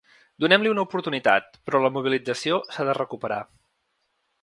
Donem-li una oportunitat, però la mobilització s’ha de recuperar.